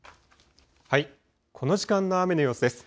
この時間の雨の様子です。